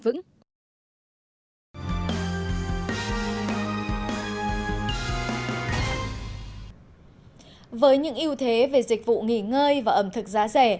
với những ưu thế về dịch vụ nghỉ ngơi và ẩm thực giá rẻ